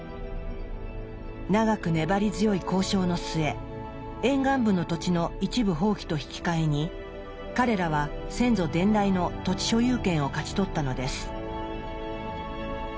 長く粘り強い交渉の末沿岸部の土地の一部放棄と引き換えに彼らは先祖伝来の土地所有権を勝ち取ったのです。